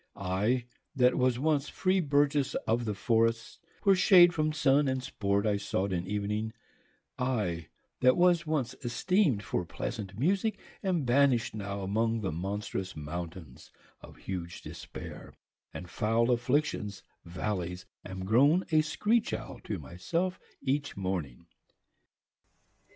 I that was once free burges of the forrests , Where shade from Sunne y and sports I sought at evening y I that was once esteem'd for pleasant musique y Am banisht now among the monstrous mountaines Of huge despaire y and foule afflictions vallies y Am growne a shrich owle to my selfe each morning.